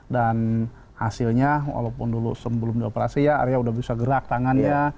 dan hasilnya walaupun dulu sebelum di operasi ya area udah bisa gerak tangannya